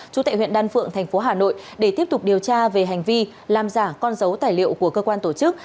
trú tại huyện đan phượng thành phố hà nội để tiếp tục điều tra về hành vi làm giả con dấu tài liệu của cơ quan tổ chức